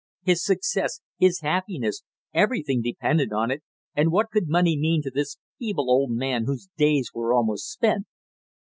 his success, his happiness, everything depended on it, and what could money mean to this feeble old man whose days were almost spent?